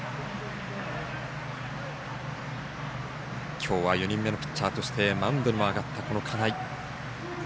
きょうは４人目のピッチャーとしてマウンドにも上がった金井。